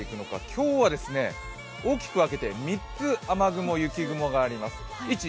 今日は大きく分けて３つ、雨雲、雪雲があります。